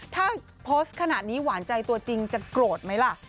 ถ้าโพสต์ขนาดนี้หวานใจตัวจริงจะโกรธไหมล่ะ